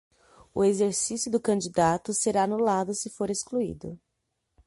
O exercício do candidato será anulado se for excluído.